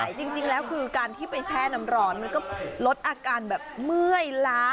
ใช่จริงแล้วคือการที่ไปแช่น้ำร้อนมันก็ลดอาการแบบเมื่อยล้า